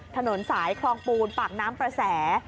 ถนนสายคลองปูนปากน้ำประแส